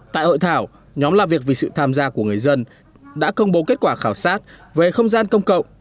tại hội thảo nhóm làm việc vì sự tham gia của người dân đã công bố kết quả khảo sát về không gian công cộng